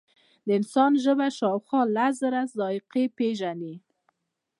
د انسان ژبه شاوخوا لس زره ذایقې پېژني.